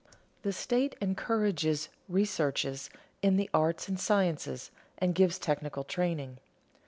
The state encourages researches in the arts and sciences, and gives technical training.